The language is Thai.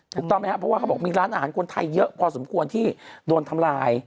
ถูกต้องไหมครับเพราะว่าเขาบอกมีร้านอาหารคนไทยเยอะพอสมควรที่โดนทำลาย